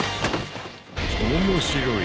面白い。